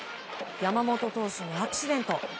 山本投手にアクシデント。